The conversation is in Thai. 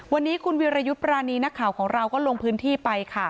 วันนี้คุณวิรยุทธ์ปรานีนักข่าวของเราก็ลงพื้นที่ไปค่ะ